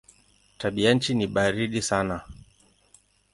Tabianchi ni baridi sana.